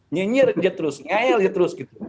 nyinyir saja terus ngeel saja terus